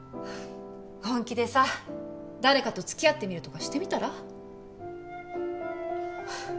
本気でさ誰かとつきあってみるとかしてみたら？